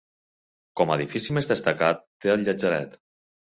Com a edifici més destacat té el Llatzeret.